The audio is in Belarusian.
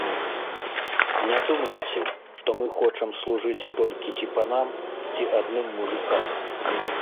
Не думайце, што мы хочам служыць толькі ці панам, ці адным мужыкам.